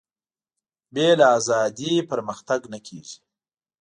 بې له ازادي پرمختګ نه کېږي.